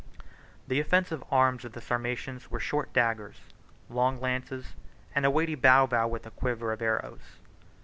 38 The offensive arms of the Sarmatians were short daggers, long lances, and a weighty bow with a quiver of arrows.